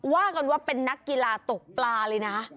ว่ากันว่าเป็นนักกีฬาตกปลาเลยนะ